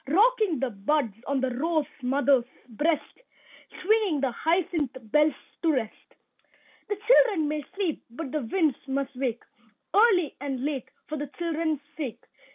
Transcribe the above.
Rocking the buds on the rose mother's breast, Swinging the hyacinth bells to rest. The children may sleep, but the winds must wake Early and late, for the children's sake.